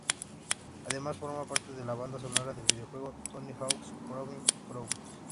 Además forma parte de la banda sonora del videojuego "Tony Hawk's Proving Ground".